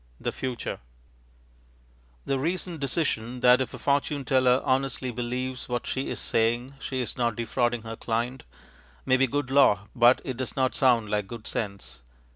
The Future The recent decision that, if a fortune teller honestly believes what she is saying, she is not defrauding her client, may be good law, but it does not sound like good sense.